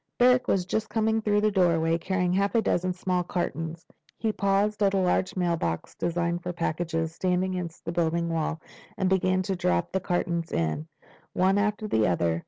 Barrack was just coming through the doorway, carrying half a dozen small cartons. He paused at a large mailbox designed for packages, standing against the building wall, and began to drop the cartons in, one after the other.